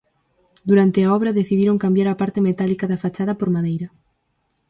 Durante a obra decidiron cambiar a parte metálica da fachada por madeira.